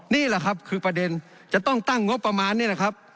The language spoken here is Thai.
นี่แหละครับคือประเด็นจะต้องตั้งงบประมาณนี่แหละครับ